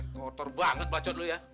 kotor banget pacot lo ya